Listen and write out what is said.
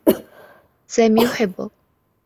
سامي يحبّك.